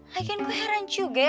lagian gue heran juga ya